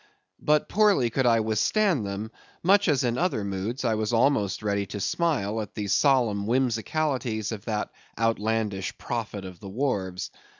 But poorly could I withstand them, much as in other moods I was almost ready to smile at the solemn whimsicalities of that outlandish prophet of the wharves.